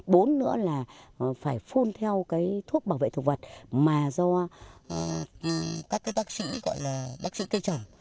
bốn nữa là phải phôn theo cái thuốc bảo vệ thực vật mà do các cái tác sĩ gọi là tác sĩ cây trồng